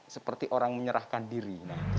seperti orang menyerahkan diri